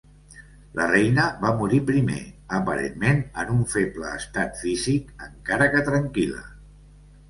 La reina va morir primer, aparentment en un feble estat físic, encara que tranquil·la.